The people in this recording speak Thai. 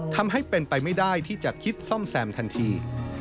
ทำให้เป็นไปไม่ได้ที่จะคิดซ่อมแซมทันที